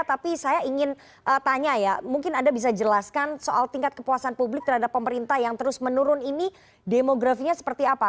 tapi saya ingin tanya ya mungkin anda bisa jelaskan soal tingkat kepuasan publik terhadap pemerintah yang terus menurun ini demografinya seperti apa